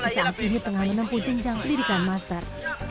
saat ini tengah menempuh jenjang pendidikan master